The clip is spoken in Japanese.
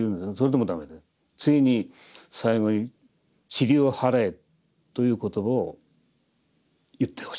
ついに最後に「塵を払え」という言葉を言ってほしいと。